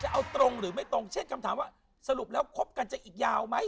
เอาตรงหรือไม่ตรงเช่นคำถามว่าสรุปแล้วคบกันจะอีกยาวไหม